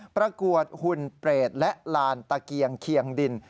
ประกวดหุ่นเปรตและลานตะเกียงเคียงดิน